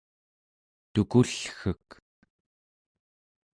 tukullgek